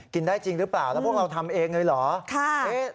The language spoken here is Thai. กินได้จริงหรือเปล่าแล้วพวกเราทำเองเลยเหรอ